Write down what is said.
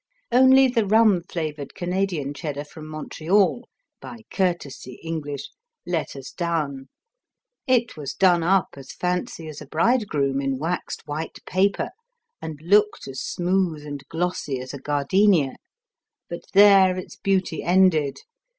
Only the rum flavored Canadian Cheddar from Montreal (by courtesy English) let us down. It was done up as fancy as a bridegroom in waxed white paper and looked as smooth and glossy as a gardenia. But there its beauty ended.